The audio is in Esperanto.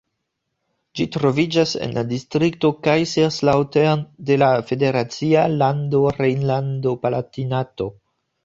Ĝi troviĝas en la distrikto Kaiserslautern de la federacia lando Rejnlando-Palatinato.